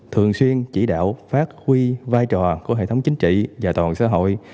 thường xuyên chỉ đạo phát huy vai trò của hệ thống chính trị và toàn xã hội